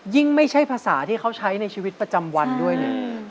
ไม่ใช่ภาษาที่เขาใช้ในชีวิตประจำวันด้วยเนี่ย